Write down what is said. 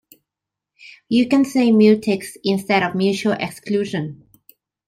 You can say mutex instead of mutual exclusion.